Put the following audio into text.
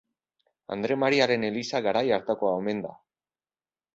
Andre Mariaren eliza garai hartakoa omen da.